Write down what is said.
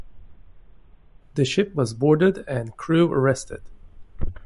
The ship was boarded and the crew arrested.